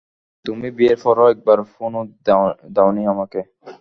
তুমি বিয়ের পর একবার ফোনও দেওনি আমাকে।